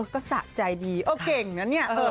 ก็สะใจดีเออเก่งนะเนี่ย